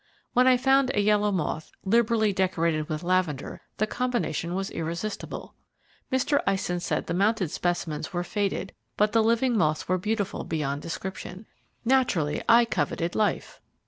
When I found a yellow moth, liberally decorated with lavender, the combination was irresistible. Mr. Eisen said the mounted specimens were faded; but the living moths were beautiful beyond description. Naturally I coveted life.